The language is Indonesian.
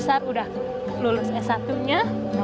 saya sudah lulus s satu nya